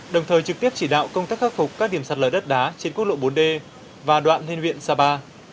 đồng thời trực tiếp chỉ đạo công tác khắc phục các điểm sạt lở đất đá trên quốc lộ bốn d và đoạn lên huyện sapa